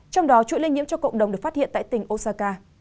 trong đó chuỗi lây nhiễm cho cộng đồng được phát hiện tại tỉnh osaka